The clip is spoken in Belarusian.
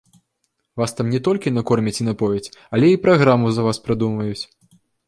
Вас там не толькі накормяць і напояць, але і праграму за вас прадумаюць.